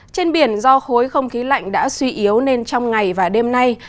trên biển do khối không khí lạnh đã suy yếu nên trong ngày và đêm nay